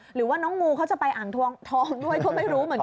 หรือว่าน้องงูเขาจะไปอ่างทองด้วยก็ไม่รู้เหมือนกัน